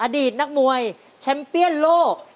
อดีตนักมวยแชมป์เปี้ยนโลก